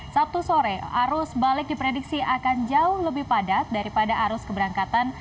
sabtu sore arus balik diprediksi akan jauh lebih padat daripada arus keberangkatan